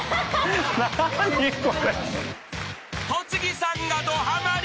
［戸次さんがどはまり］